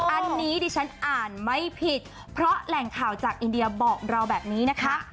อันนี้ดิฉันอ่านไม่ผิดเพราะแหล่งข่าวจากอินเดียบอกเราแบบนี้นะคะ